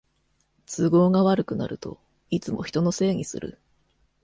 都合が悪くなるといつも人のせいにする